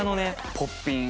ポッピン。